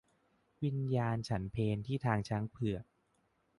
วิญญาณฉันเพลที่ทางช้างเผือก